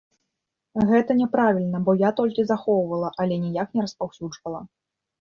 Гэта няправільна, бо я толькі захоўвала, але ніяк не распаўсюджвала.